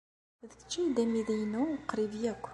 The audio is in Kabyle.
D kečč ay d amidi-inu uqrib akk.